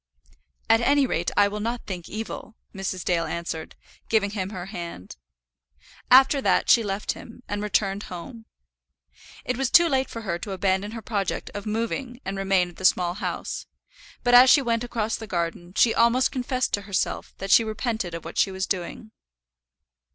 "At any rate I will not think evil," Mrs. Dale answered, giving him her hand. After that she left him, and returned home. It was too late for her to abandon her project of moving and remain at the Small House; but as she went across the garden she almost confessed to herself that she repented of what she was doing.